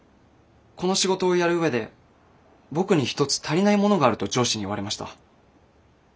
この仕事をやる上で僕に一つ足りないものがあると上司に言われました。